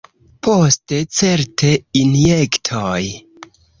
Poste, certe, injektoj.